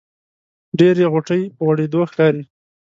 ډېرې غوټۍ په غوړېدو ښکاري.